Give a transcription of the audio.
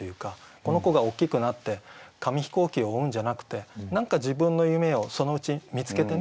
この子が大きくなって紙飛行機を追うんじゃなくて何か自分の夢をそのうち見つけてね